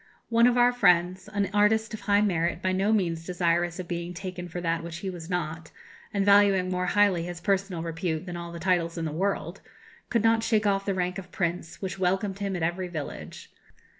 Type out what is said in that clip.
One of our friends, an artist of high merit, by no means desirous of being taken for that which he was not, and valuing more highly his personal repute than all the titles in the world, could not shake off the rank of prince, which welcomed him at every village.